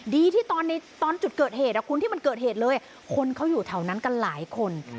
ดีที่ตอนในตอนจุดเกิดเหตุคุณที่มันเกิดเหตุเลยคนเขาอยู่แถวนั้นกันหลายคน